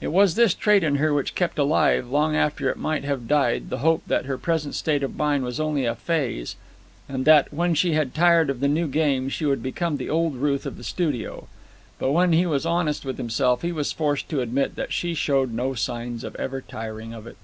It was this trait in her which kept alive, long after it might have died, the hope that her present state of mind was only a phase, and that, when she had tired of the new game, she would become the old Ruth of the studio. But, when he was honest with himself, he was forced to admit that she showed no signs of ever tiring of it.